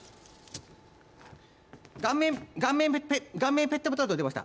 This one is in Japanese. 顔面顔面顔面ペットボトルと出ました